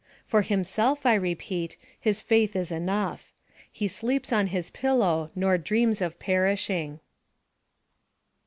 For himself, I repeat, his faith is enough; he sleeps on his pillow nor dreams of perishing.